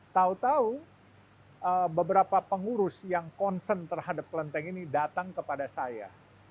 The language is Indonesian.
tahu tahu beberapa pengurus yang concern terhadap kelenteng ini datang kepada saya